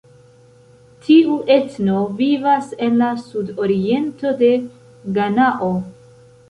Tiu etno vivas en la sudoriento de Ganao.